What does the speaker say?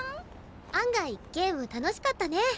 案外ゲーム楽しかったね。